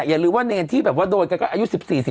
อย่าลืมว่าเนรที่โดนกันก็อายุ๑๔๑๕